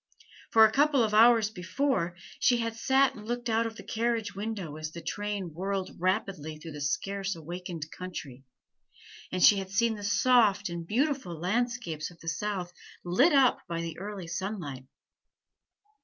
For a couple of hours before, she had sat and looked out of the carriage window as the train whirled rapidly through the scarcely awakened country, and she had seen the soft and beautiful landscapes of the South lit up by the early sunlight.